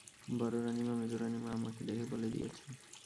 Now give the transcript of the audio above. বড়োরানীমা মেজোরানীমা আমাকে ডেকে বলে দিয়েছেন।